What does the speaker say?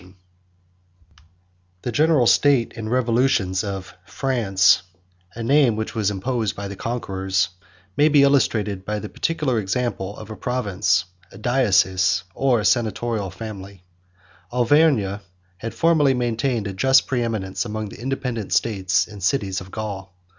] The general state and revolutions of France, a name which was imposed by the conquerors, may be illustrated by the particular example of a province, a diocese, or a senatorial family. Auvergne had formerly maintained a just preeminence among the independent states and cities of Gaul.